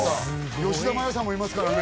吉田麻也さんもいますからね